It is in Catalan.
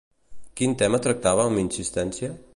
Quin tema tractava amb insistència?